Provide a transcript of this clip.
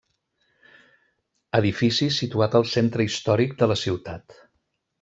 Edifici situat al centre històric de la ciutat.